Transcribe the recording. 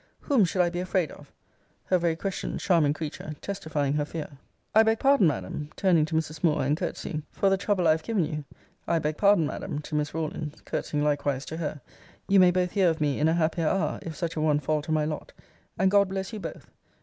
Whom should I be afraid of? Her very question, charming creature! testifying her fear. I beg pardon, Madam, [turning to Mrs. Moore, and courtesying,] for the trouble I have given you. I beg pardon, Madam, to Miss Rawlins, [courtesying likewise to her,] you may both hear of me in a happier hour, if such a one fall to my lot and God bless you both!